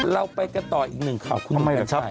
เราไปกัดต่ออีกหนึ่งข่าวคุณมานิจฉัย